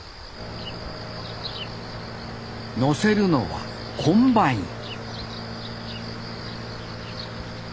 載せるのはコンバイン